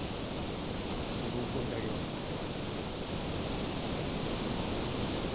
ご同行いただけますよね？